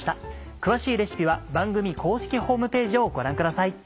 詳しいレシピは番組公式ホームページをご覧ください。